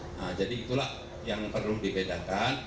nah jadi itulah yang perlu dibedakan